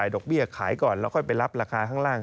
ดอกเบี้ยขายก่อนแล้วค่อยไปรับราคาข้างล่าง